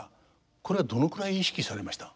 これはどのくらい意識されました？